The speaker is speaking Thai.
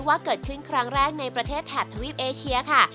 ว่าเกิดขึ้นครั้งแรกในประเทศแถบทวีปเอเชียค่ะ